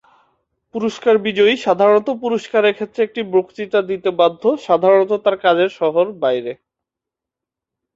পুরস্কার বিজয়ী সাধারণত পুরস্কারের ক্ষেত্রে একটি বক্তৃতা দিতে বাধ্য, সাধারণত তার কাজের শহর বাইরে।